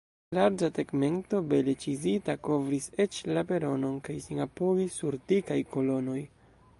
Larĝa tegmento, bele ĉizita, kovris eĉ la peronon kaj sin apogis sur dikaj kolonoj.